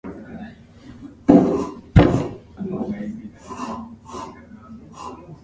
The club currently plays in Israeli National League.